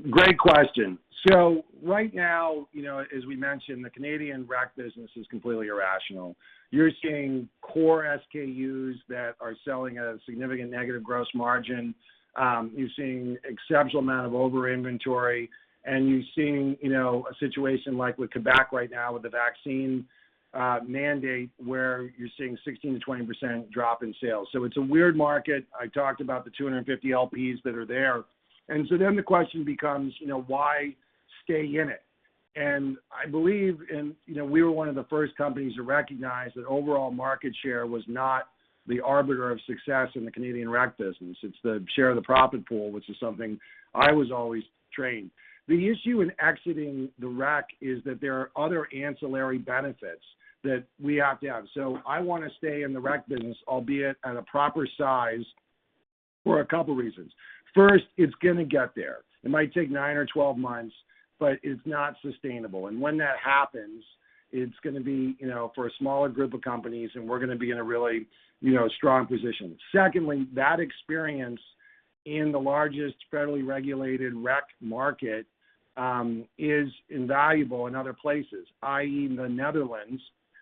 Great question. Right now, you know, as we mentioned, the Canadian rec business is completely irrational. You're seeing core SKUs that are selling at a significant negative gross margin. You're seeing exceptional amount of over inventory, and you're seeing, you know, a situation like with Quebec right now with the vaccine mandate, where you're seeing 16%-20% drop in sales. It's a weird market. I talked about the 250 LPs that are there. The question becomes, you know, why stay in it? I believe, and, you know, we were one of the first companies to recognize that overall market share was not the arbiter of success in the Canadian rec business. It's the share of the profit pool, which is something I was always trained. The issue in exiting the rec is that there are other ancillary benefits that we opt out. I want to stay in the rec business, albeit at a proper size for a couple reasons. First, it's gonna get there. It might take nine or 12 months, but it's not sustainable. When that happens, it's gonna be, you know, for a smaller group of companies, and we're gonna be in a really, you know, strong position. Secondly, that experience in the largest federally regulated rec market is invaluable in other places, i.e., the Netherlands,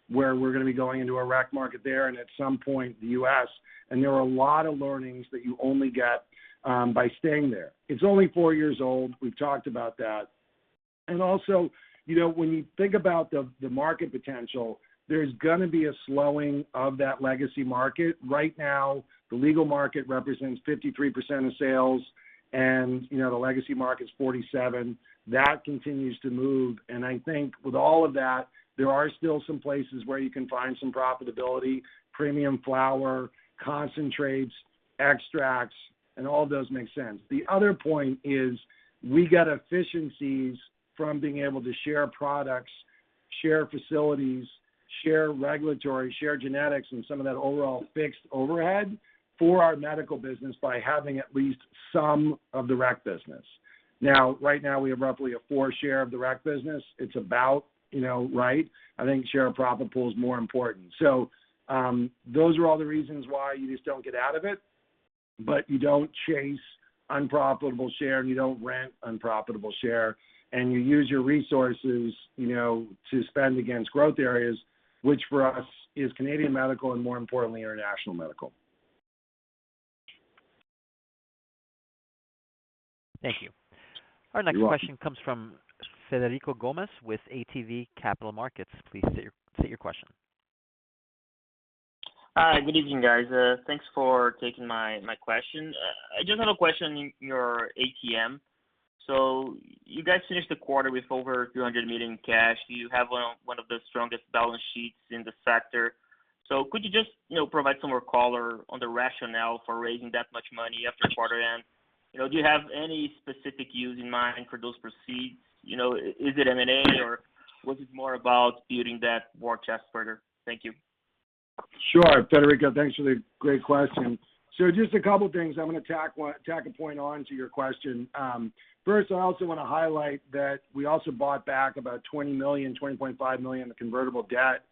where we're gonna be going into a rec market there and at some point the US. There are a lot of learnings that you only get by staying there. It's only four years old. We've talked about that. You know, when you think about the market potential, there's gonna be a slowing of that legacy market. Right now, the legal market represents 53% of sales, and, you know, the legacy market is 47%. That continues to move. I think with all of that, there are still some places where you can find some profitability, premium flower, concentrates, extracts, and all of those make sense. The other point is we get efficiencies from being able to share products, share facilities, share regulatory, share genetics, and some of that overall fixed overhead for our medical business by having at least some of the rec business. Now, right now, we have roughly a 4% share of the rec business. It's about, you know, right. I think share of profit pool is more important. Those are all the reasons why you just don't get out of it. You don't chase unprofitable share, and you don't rent unprofitable share, and you use your resources, you know, to spend against growth areas, which for us is Canadian medical and more importantly, international medical. Thank you. You're welcome. Our next question comes from Frederico Gomes with ATB Capital Markets. Please state your question. Hi, good evening, guys. Thanks for taking my question. I just have a question, your ATM. You guys finished the quarter with over 200 million in cash. You have one of the strongest balance sheets in the sector. Could you just, you know, provide some more color on the rationale for raising that much money after quarter end? You know, do you have any specific use in mind for those proceeds? You know, is it M&A, or was it more about building that war chest further? Thank you. Sure, Federico. Thanks for the great question. Just a couple things. I'm gonna tack a point on to your question. First, I also wanna highlight that we also bought back about 20 million, 20.5 million in convertible debt.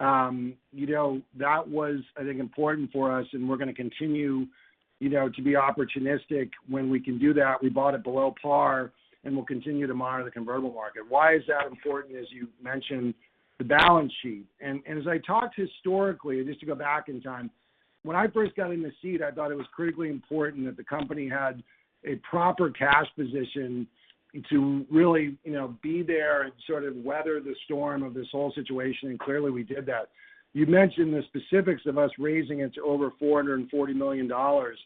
You know, that was, I think, important for us, and we're gonna continue, you know, to be opportunistic when we can do that. We bought it below par, and we'll continue to monitor the convertible market. Why is that important? As you mentioned, the balance sheet. As I talked historically, just to go back in time, when I first got in the seat, I thought it was critically important that the company had a proper cash position to really, you know, be there and sort of weather the storm of this whole situation, and clearly we did that. You mentioned the specifics of us raising it to over 440 million dollars.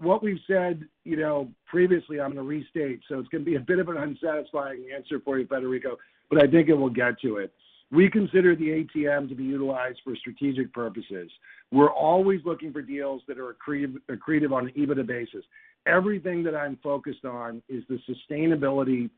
What we've said, you know, previously, I'm gonna restate, so it's gonna be a bit of an unsatisfying answer for you, Federico, but I think it will get to it. We consider the ATM to be utilized for strategic purposes. We're always looking for deals that are accretive on an EBITDA basis. Everything that I'm focused on is the sustainability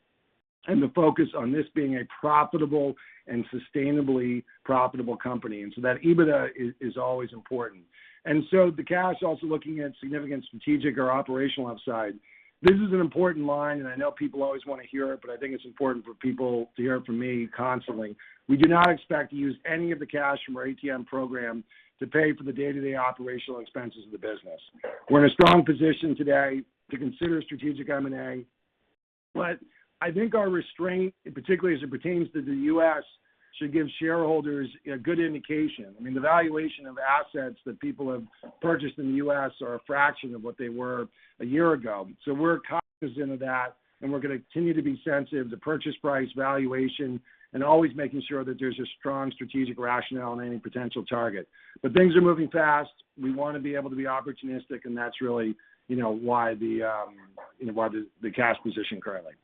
and the focus on this being a profitable and sustainably profitable company. That EBITDA is always important. The cash also looking at significant strategic or operational upside. This is an important line, and I know people always wanna hear it, but I think it's important for people to hear it from me constantly. We do not expect to use any of the cash from our ATM program to pay for the day-to-day operational expenses of the business. We're in a strong position today to consider strategic M&A, but I think our restraint, particularly as it pertains to the US., should give shareholders a good indication. I mean, the valuation of assets that people have purchased in the US. are a fraction of what they were a year ago. We're cognizant of that, and we're gonna continue to be sensitive to purchase price, valuation, and always making sure that there's a strong strategic rationale in any potential target. Things are moving fast. We wanna be able to be opportunistic, and that's really, you know, why the cash position currently.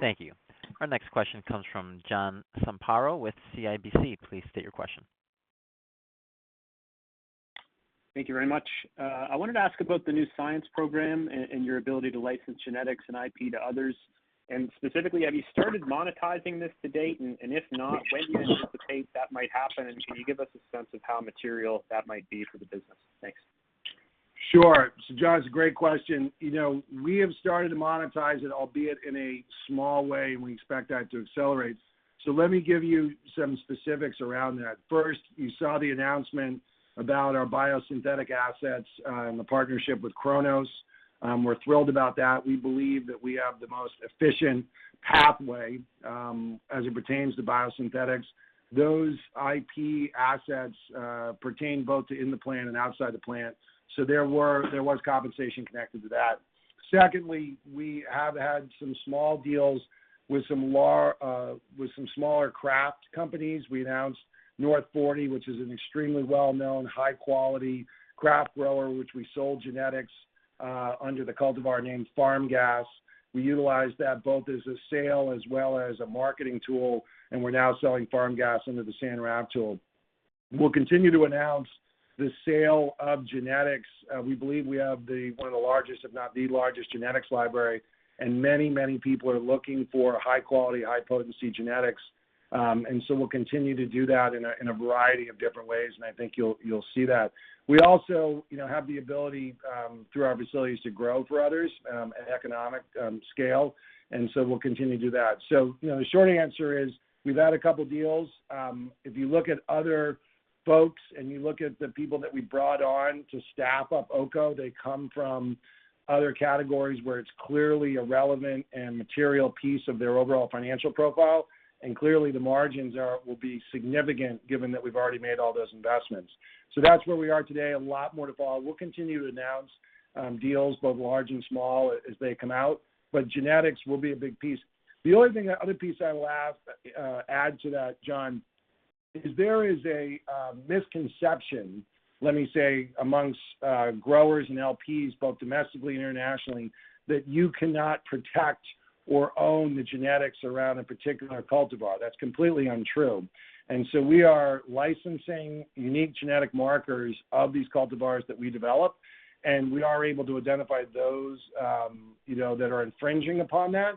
Thank you. Our next question comes from John Zamparo with CIBC. Please state your question. Thank you very much. I wanted to ask about the new science program and your ability to license genetics and IP to others. Specifically, have you started monetizing this to date? If not, when do you anticipate that might happen? Can you give us a sense of how material that might be for the business? Thanks. Sure. John, it's a great question. You know, we have started to monetize it, albeit in a small way, and we expect that to accelerate. Let me give you some specifics around that. First, you saw the announcement about our biosynthetic assets and the partnership with Cronos. We're thrilled about that. We believe that we have the most efficient pathway as it pertains to biosynthetics. Those IP assets pertain both to in the plant and outside the plant. There was compensation connected to that. Secondly, we have had some small deals with some smaller craft companies. We announced North 40, which is an extremely well-known, high-quality craft grower, which we sold genetics under the cultivar name Farm Gas. We utilized that both as a sale as well as a marketing tool, and we're now selling Farm Gas under the San Rafael '71 tool. We'll continue to announce the sale of genetics. We believe we have one of the largest, if not the largest genetics library, and many people are looking for high-quality, high-potency genetics. We'll continue to do that in a variety of different ways, and I think you'll see that. We also, you know, have the ability through our facilities to grow for others at economic scale, and so we'll continue to do that. You know, the short answer is we've had a couple deals. If you look at other folks and you look at the people that we brought on to staff up Occo, they come from other categories where it's clearly a relevant and material piece of their overall financial profile. Clearly, the margins will be significant given that we've already made all those investments. That's where we are today, a lot more to follow. We'll continue to announce deals, both large and small as they come out, but genetics will be a big piece. The only thing, the other piece I will just add to that, John, is there a misconception, let me say amongst growers and LPs, both domestically and internationally, that you cannot protect or own the genetics around a particular cultivar. That's completely untrue. We are licensing unique genetic markers of these cultivars that we develop, and we are able to identify those, you know, that are infringing upon that.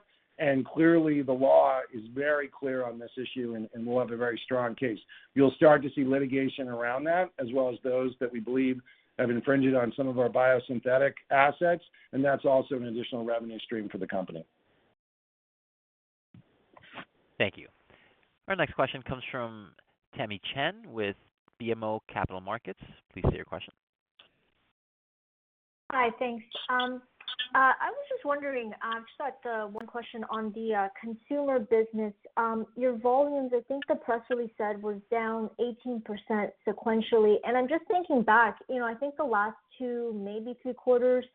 Clearly, the law is very clear on this issue, and we'll have a very strong case. You'll start to see litigation around that, as well as those that we believe have infringed on some of our biosynthetic assets, and that's also an additional revenue stream for the company. Thank you. Our next question comes from Tamy Chen with BMO Capital Markets. Please state your question. Hi. Thanks. I was just wondering, just that one question on the consumer business. Your volumes, I think the press release said, was down 18% sequentially. I'm just thinking back, you know, I think the last two, maybe two quarters,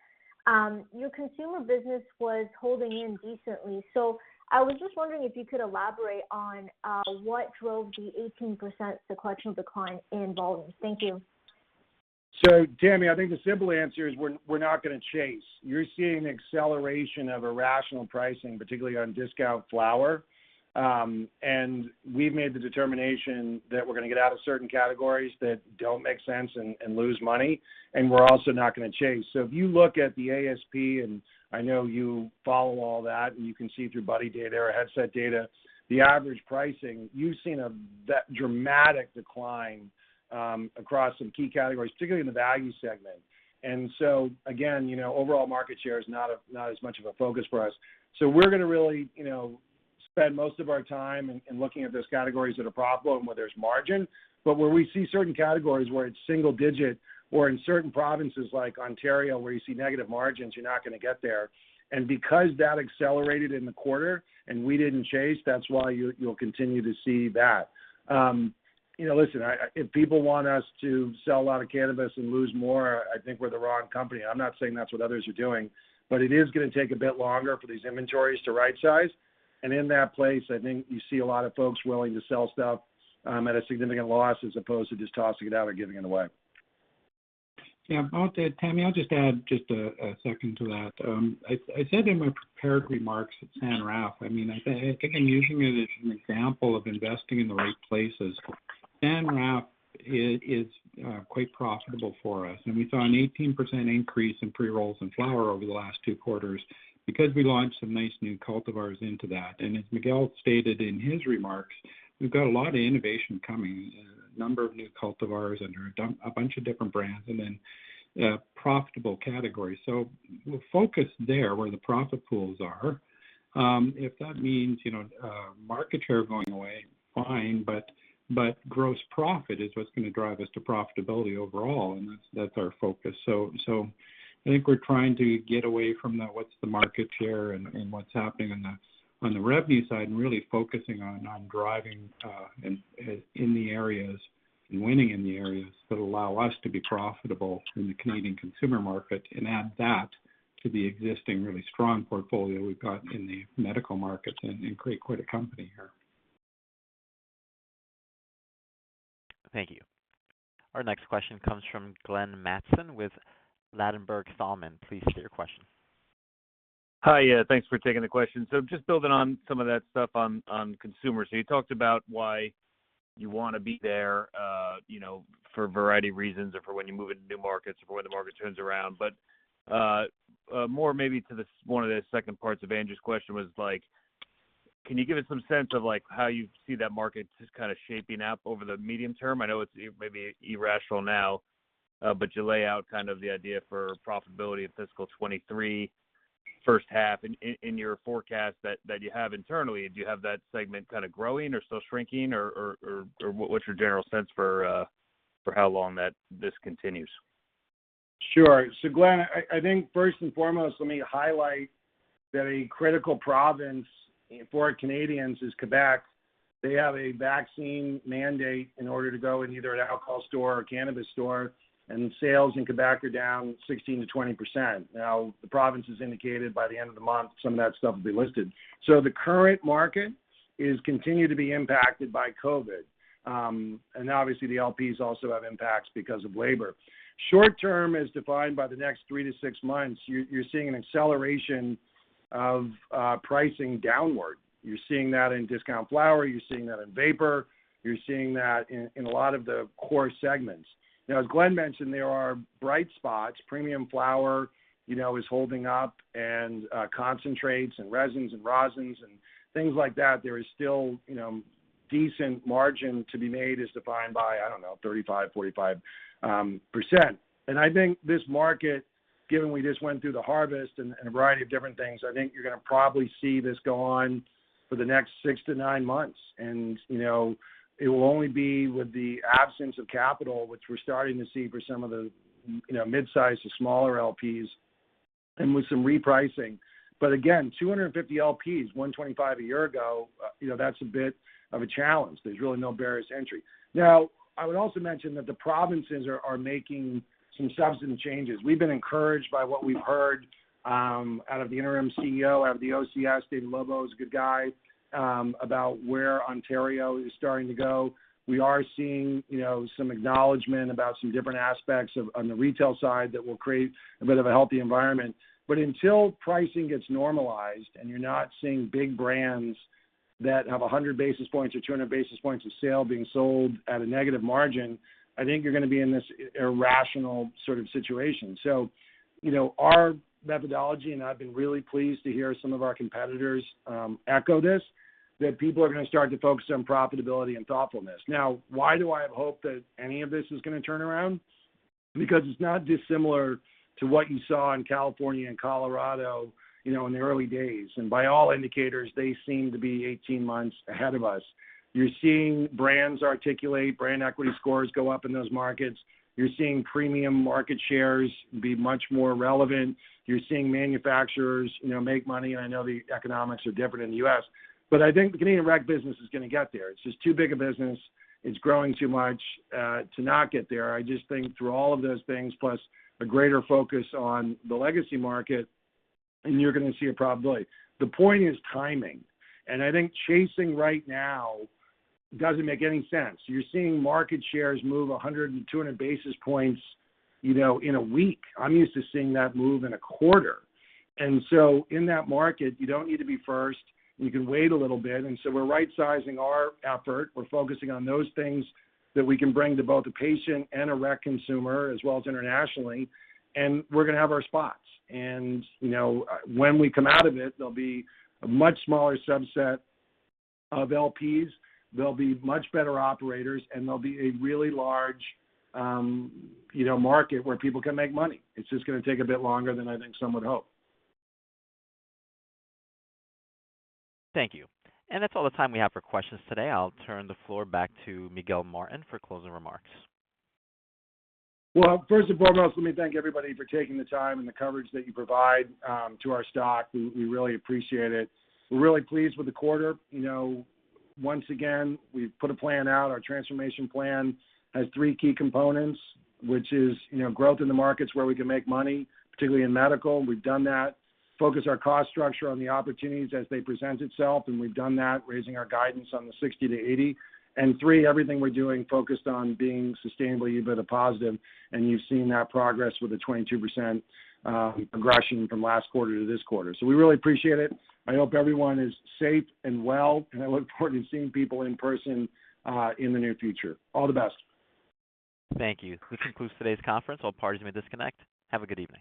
your consumer business was holding in decently. I was just wondering if you could elaborate on what drove the 18% sequential decline in volume. Thank you. Tammy, I think the simple answer is we're not gonna chase. You're seeing acceleration of irrational pricing, particularly on discount flower. We've made the determination that we're gonna get out of certain categories that don't make sense and lose money, and we're also not gonna chase. If you look at the ASP, and I know you follow all that, and you can see through Buddi Data or Headset Data, the average pricing, you've seen that dramatic decline across some key categories, particularly in the value segment. Again, you know, overall market share is not as much of a focus for us. We're gonna really, you know, spend most of our time in looking at those categories that are problem, where there's margin. Where we see certain categories where it's single-digit or in certain provinces like Ontario, where you see negative margins, you're not gonna get there. Because that accelerated in the quarter and we didn't chase, that's why you'll continue to see that. You know, listen, if people want us to sell a lot of cannabis and lose more, I think we're the wrong company. I'm not saying that's what others are doing, but it is gonna take a bit longer for these inventories to right size. In that place, I think you see a lot of folks willing to sell stuff at a significant loss as opposed to just tossing it out or giving it away. Yeah. I'll tell you, Tammy, I'll just add a second to that. I said in my prepared remarks at San Rafael, I mean, I think I'm using it as an example of investing in the right places. San Rafael is quite profitable for us, and we saw an 18% increase in pre-rolls and flower over the last two quarters because we launched some nice new cultivars into that. As Miguel stated in his remarks, we've got a lot of innovation coming, a number of new cultivars under a bunch of different brands, and then profitable categories. We'll focus there where the profit pools are. If that means, you know, market share going away, fine, but gross profit is what's gonna drive us to profitability overall, and that's our focus. I think we're trying to get away from the, what's the market share and what's happening on the revenue side, and really focusing on driving in the areas and winning in the areas that allow us to be profitable in the Canadian consumer market and add that to the existing really strong portfolio we've got in the medical market and create quite a company here. Thank you. Our next question comes from Glenn Mattson with Ladenburg Thalmann. Please state your question. Hi. Yeah, thanks for taking the question. Just building on some of that stuff on consumer. You talked about why you wanna be there, you know, for a variety of reasons or for when you move into new markets or when the market turns around. More maybe to this, one of the second parts of Andrew's question was like, can you give us some sense of like how you see that market just kind of shaping up over the medium term? I know it's maybe irrational now, but you lay out kind of the idea for profitability in fiscal 2023 first half in your forecast that you have internally. Do you have that segment kind of growing or still shrinking or what's your general sense for how long this continues? Sure. Glenn, I think first and foremost, let me highlight that a critical province for Canadians is Quebec. They have a vaccine mandate in order to go in either an alcohol store or a cannabis store, and sales in Quebec are down 16%-20%. Now, the province has indicated by the end of the month, some of that stuff will be lifted. The current market is continued to be impacted by COVID. Obviously the LPs also have impacts because of labor. Short-term as defined by the next three to six months, you're seeing an acceleration of pricing downward. You're seeing that in discount flower, you're seeing that in vapor, you're seeing that in a lot of the core segments. Now, as Glenn mentioned, there are bright spots. Premium flower, you know, is holding up and concentrates and resins and rosins and things like that. There is still, you know, decent margin to be made as defined by, I don't know, 35%-45%. I think this market, given we just went through the harvest and a variety of different things, I think you're gonna probably see this go on for the next 6-9 months. You know, it will only be with the absence of capital, which we're starting to see for some of the, you know, mid-size to smaller LPs and with some repricing. Again, 250 LPs, 125 a year ago, you know, that's a bit of a challenge. There's really no barriers to entry. Now, I would also mention that the provinces are making some substantive changes. We've been encouraged by what we've heard out of the interim CEO, out of the OCS. David Lobo is a good guy about where Ontario is starting to go. We are seeing, you know, some acknowledgment about some different aspects of, on the retail side that will create a bit of a healthy environment. Until pricing gets normalized, and you're not seeing big brands that have 100 basis points or 200 basis points of sale being sold at a negative margin, I think you're gonna be in this irrational sort of situation. You know, our methodology, and I've been really pleased to hear some of our competitors echo this, that people are gonna start to focus on profitability and thoughtfulness. Now, why do I have hope that any of this is gonna turn around? Because it's not dissimilar to what you saw in California and Colorado, you know, in the early days. By all indicators, they seem to be 18 months ahead of us. You're seeing brands articulate, brand equity scores go up in those markets. You're seeing premium market shares be much more relevant. You're seeing manufacturers, you know, make money, and I know the economics are different in the US. I think the Canadian rec business is gonna get there. It's just too big a business. It's growing too much to not get there. I just think through all of those things, plus a greater focus on the legacy market, and you're gonna see a probability. The point is timing, and I think chasing right now doesn't make any sense. You're seeing market shares move 100 and 200 basis points, you know, in a week. I'm used to seeing that move in a quarter. In that market, you don't need to be first. You can wait a little bit, and so we're right-sizing our effort. We're focusing on those things that we can bring to both a patient and a rec consumer, as well as internationally. We're gonna have our spots. You know, when we come out of it, there'll be a much smaller subset of LPs, there'll be much better operators, and there'll be a really large, you know, market where people can make money. It's just gonna take a bit longer than I think some would hope. Thank you. That's all the time we have for questions today. I'll turn the floor back to Miguel Martin for closing remarks. First and foremost, let me thank everybody for taking the time and the coverage that you provide to our stock. We really appreciate it. We're really pleased with the quarter. You know, once again, we've put a plan out. Our transformation plan has three key components, which is, you know, growth in the markets where we can make money, particularly in medical. We've done that. Focus our cost structure on the opportunities as they present itself, and we've done that, raising our guidance on the 60-80. Three, everything we're doing focused on being sustainably EBITDA positive, and you've seen that progress with the 22% progression from last quarter to this quarter. We really appreciate it. I hope everyone is safe and well, and I look forward to seeing people in person in the near future. All the best. Thank you. This concludes today's conference. All parties may disconnect. Have a good evening.